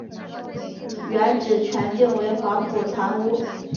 原址全境为黄埔船坞。